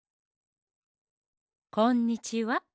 こんにちは。